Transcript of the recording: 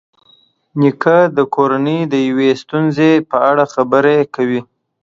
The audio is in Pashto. نیکه د کورنۍ د یوې ستونزې په اړه خبرې کوي.